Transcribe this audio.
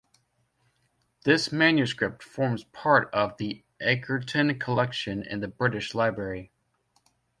This manuscript forms part of the Egerton Collection in the British Library.